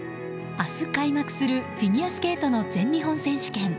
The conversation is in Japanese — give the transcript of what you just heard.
明日開幕するフィギュアスケートの全日本選手権。